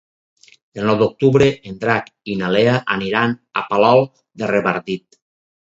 El nou d'octubre en Drac i na Lea aniran a Palol de Revardit.